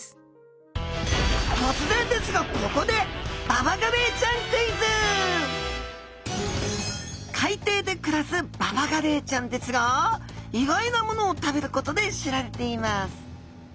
突然ですがここで海底で暮らすババガレイちゃんですが意外なものを食べることで知られています。